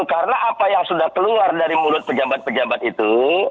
karena apa yang sudah keluar dari mulut pejabat pejabat itu